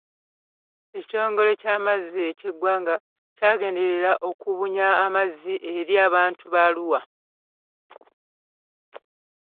Ekitongole ky'amazzi eky'eggwanga kyagenderera okubunya amazzi eri abantu ba Arua.